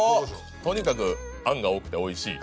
とにかく餡が多くておいしい。